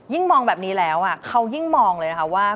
มองแบบนี้แล้วเขายิ่งมองเลยนะคะว่า